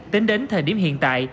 tính đến thời điểm hiện tại